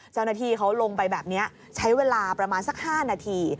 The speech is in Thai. เจ้าหน้าที่เขาลงไปแบบนี้ใช้เวลาประมาณสัก๕นาที